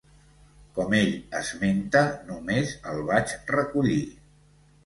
Com ell esmenta, només el vaig recollir.